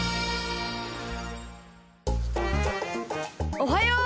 おはよう。